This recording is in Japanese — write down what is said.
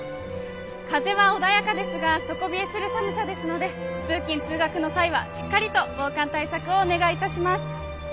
風は穏やかですが底冷えする寒さですので通勤通学の際はしっかりと防寒対策をお願いいたします。